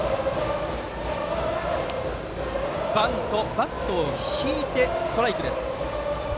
バットを引いてストライクです。